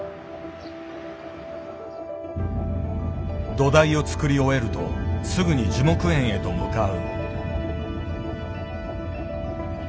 土台を造り終えるとすぐに樹木園へと向かう。